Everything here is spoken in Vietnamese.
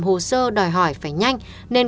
hồ sơ đòi hỏi phải nhanh nên